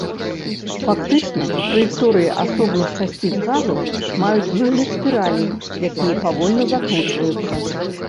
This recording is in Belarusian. Фактычна, траекторыі асобных часціц газу маюць выгляд спіралей, якія павольна закручваюцца.